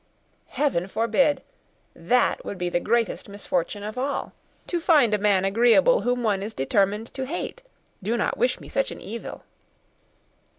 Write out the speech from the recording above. "Heaven forbid! That would be the greatest misfortune of all! To find a man agreeable whom one is determined to hate! Do not wish me such an evil."